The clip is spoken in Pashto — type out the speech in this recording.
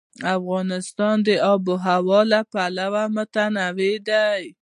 افغانستان د آب وهوا له پلوه متنوع دی.